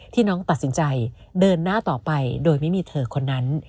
น้องตัดสินใจเดินหน้าต่อไปโดยไม่มีเธอคนนั้น